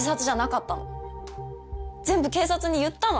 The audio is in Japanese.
全部警察に言ったの！